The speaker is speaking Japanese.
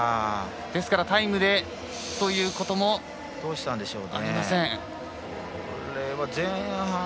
ですからタイムでということもありません。